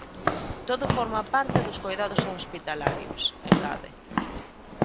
"Todo forma parte dos coidados hospitalarios", engade.